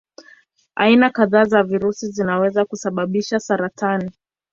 Aina kadhaa za virusi zinaweza kusababisha saratani.